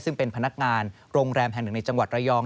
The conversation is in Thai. ซึ่งเป็นพนักงานโรงแรมแห่งหนึ่งในจังหวัดระยอง